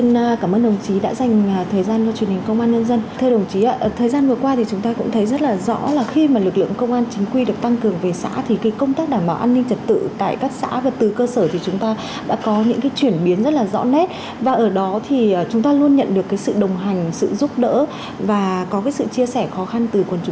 các bảo đảm an ninh trật tự đã có chuyển biến rõ nét nhận được sự đồng thuận ghi nhận của nhân dân và chính sách đối với công an xã bán chuyên trách tiếp tục tham gia bán chuyên trách tiếp tục tham gia bán chuyên trách